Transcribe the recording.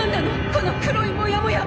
この黒いモヤモヤ！